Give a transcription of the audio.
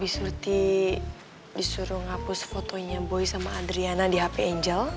seperti disuruh ngapus fotonya boy sama adriana di hp angel